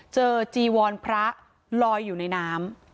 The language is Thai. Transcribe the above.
จีวรพระลอยอยู่ในน้ำ